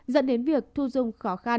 dẫn đến việc thu dung khó khăn